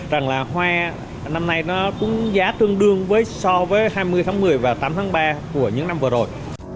rằng là hoa năm nay nó cũng giá tương đương với so với hai mươi tháng một mươi và tám tháng ba của những năm vừa rồi